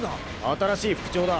新しい副長だ。